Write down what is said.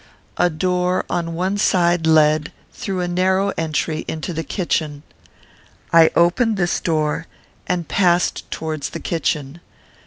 A door on one side led, through a narrow entry, into the kitchen. I opened this door, and passed towards the kitchen.